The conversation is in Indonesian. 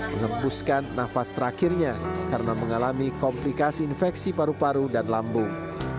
mengembuskan nafas terakhirnya karena mengalami komplikasi infeksi paru paru dan lambung